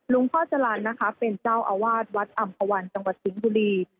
พ่อจรรย์นะคะเป็นเจ้าอาวาสวัดอำภาวันจังหวัดสิงห์บุรี